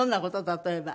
例えば。